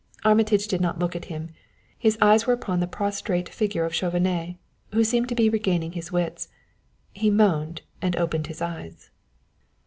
Armitage did not look at him; his eyes were upon the prostrate figure of Chauvenet, who seemed to be regaining his wits. He moaned and opened his eyes.